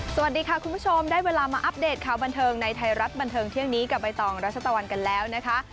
สวัสดีค่ะคุณผู้ชมได้เวลามาอัปเดตข่าวบันเทิงในไทยรัฐบันเทิงเที่ยงนี้กับใบตองรัชตะวันกันแล้วนะคะ